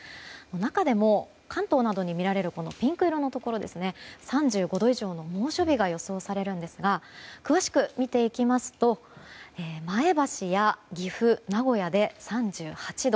中でも関東などに見られるピンク色のところは３５度以上の猛暑日が予想されるんですが詳しく見ていきますと前橋や岐阜、名古屋で３８度。